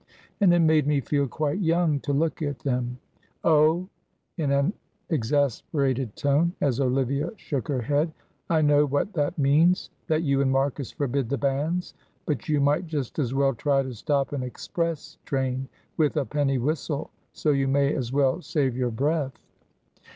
And it made me feel quite young to look at them. Oh!" in an exasperated tone, as Olivia shook her head, "I know what that means, that you and Marcus forbid the banns, but you might just as well try to stop an express train with a penny whistle, so you may as well save your breath.